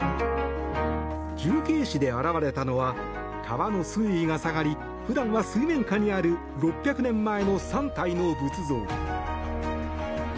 重慶市で現れたのは川の水位が下がり普段は水面下にある６００年前の３体の仏像。